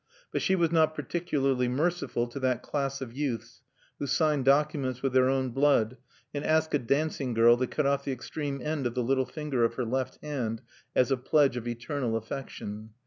But she was not particularly merciful to that class of youths who sign documents with their own blood, and ask a dancing girl to cut off the extreme end of the little finger of her left hand as a pledge of eternal affection.